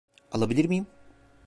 Alabilir miyim?